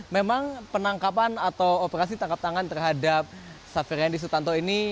memang penangkapan atau operasi tangkap tangan terhadap saferendi sutanto ini